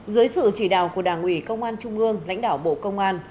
dưới sự chỉ đạo của đảng ủy công an trung ương lãnh đạo bộ công an